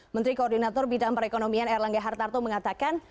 menteri koordinator bidang perekonomian erlangga hartarto mengatakan